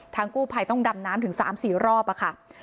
กู้ภัยต้องดำน้ำถึง๓๔รอบค่ะ